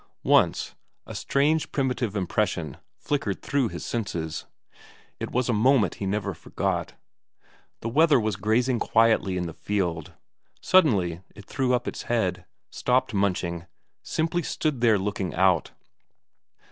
Once, a strange primitive impression flickered through his senses: it was a moment he never forgot. The wether was grazing quietly in the field; suddenly it threw up its head, stopped munching, simply stood there looking out.